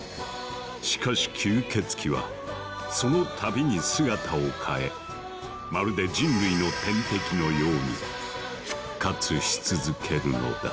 しかし吸血鬼はその度に姿を変えまるで人類の天敵のように復活し続けるのだ。